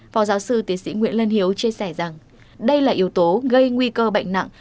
phó giáo sư tiến sĩ nguyễn lân hiếu chia sẻ rằng đây là yếu tố gây nguy cơ bệnh nặng